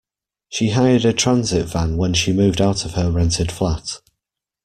She hired a transit van when she moved out of her rented flat